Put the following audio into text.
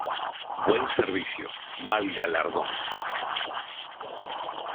Buen servicio, mal galardón.